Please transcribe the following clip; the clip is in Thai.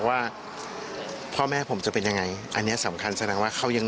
ว่าพ่อแม่ผมจะเป็นยังไงอันนี้สำคัญแสดงว่าเขายัง